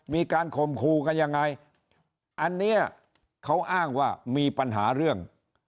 มีการข่มขู่กันยังไงอันเนี้ยเขาอ้างว่ามีปัญหาเรื่อง